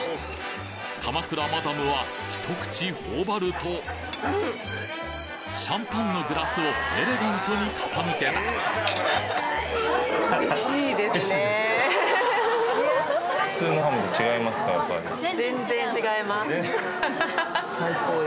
鎌倉マダムはひと口頬張るとシャンパンのグラスをエレガントに傾けたおいしい。